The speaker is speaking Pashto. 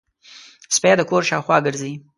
سپي د کور شاوخوا ګرځي.